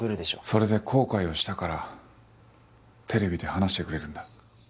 それで後悔をしたからテレビで話してくれるんだ。